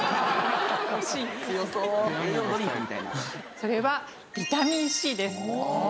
それはビタミンＣです。